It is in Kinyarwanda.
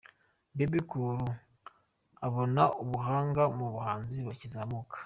Bebe Cool abona ubuhanga mu bahanzi bakizamuka .